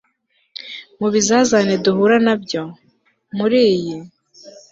mu bizazane duhura nabyo; muri iyi